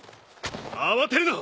慌てるな！